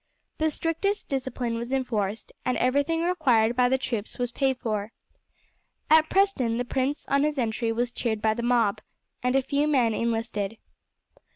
The strictest discipline was enforced, and everything required by the troops was paid for. At Preston the prince on his entry was cheered by the mob, and a few men enlisted.